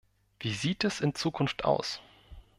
Wie sieht es in Zukunft aus?